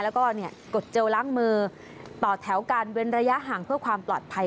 แล้วก็กดเจลล้างมือต่อแถวการเว้นระยะห่างเพื่อความปลอดภัย